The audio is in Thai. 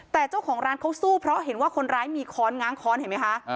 แต่เจ้าของร้านเขาสู้เพราะเห็นว่าคนร้ายมีค้อนง้างค้อนเห็นไหมคะ